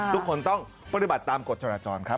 ทุกคนต้องปฏิบัติตามกฎจราจรครับ